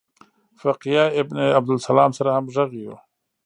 فقیه ابن عبدالسلام سره همغږي شو.